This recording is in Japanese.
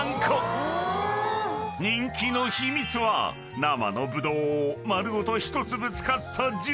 ［人気の秘密は生のぶどうを丸ごと１粒使った］